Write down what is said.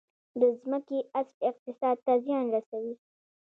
د ځمکې غصب اقتصاد ته زیان رسوي